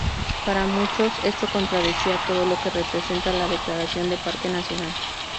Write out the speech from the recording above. Para muchos, esto contradecía todo lo que representa la declaración de parque nacional.